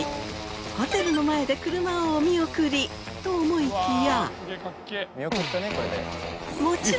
ホテルの前で車をお見送り。と思いきや。